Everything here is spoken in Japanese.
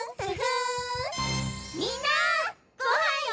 みんなごはんよ。